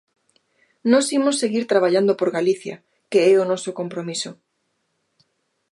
Nós imos seguir traballando por Galicia, que é o noso compromiso.